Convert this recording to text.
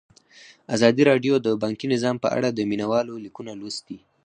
ازادي راډیو د بانکي نظام په اړه د مینه والو لیکونه لوستي.